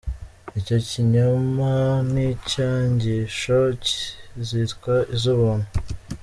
Icyo kinyoma ni icy’inyigisho zitwa iz’ubuntu!".